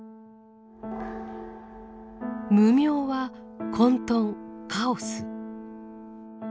「無明」は混沌・カオス。